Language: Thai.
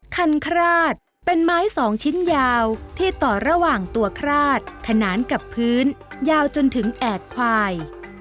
คันคราดเป็นไม้สองชิ้นยาวที่ต่อระหว่างตัวคราดขนานกับพื้นยาวจนถึงแอกควาย